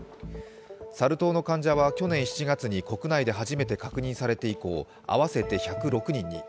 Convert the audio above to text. サル痘の患者は去年７月に国内で初めて確認されて以降、合わせて１０６人に。